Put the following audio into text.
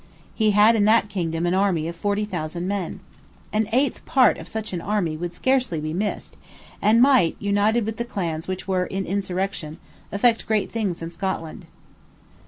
He had in that kingdom an army of forty thousand men. An eighth part of such an army would scarcely be missed there, and might, united with the clans which were in insurrection, effect great things in Scotland.